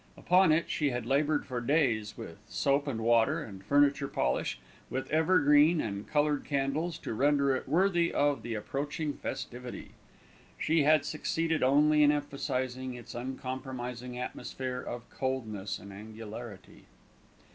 Upon it she had laboured for days with soap and water and furniture polish, with evergreen and coloured candles, to render it worthy of the approaching festivity. She had succeeded only in emphasising its uncompromising atmosphere of coldness and angularity.